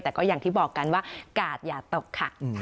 แต่ก็อย่างที่บอกกันว่ากาดอย่าตกค่ะ